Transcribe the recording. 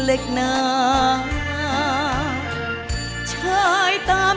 แไกร